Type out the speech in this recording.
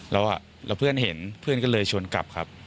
แล้วเพื่อนเห็นเพื่อนก็เลยชวนกลับครับ